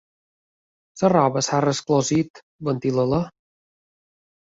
La roba s'ha resclosit: ventila-la.